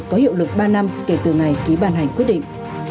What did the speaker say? có hiệu lực ba năm kể từ ngày ký bàn hành quyết định